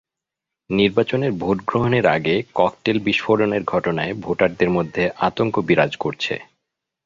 নির্বাচনের ভোট গ্রহণের আগে ককটেল বিস্ফোরণের ঘটনায় ভোটারদের মধ্যে আতঙ্ক বিরাজ করছে।